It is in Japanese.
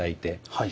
はい。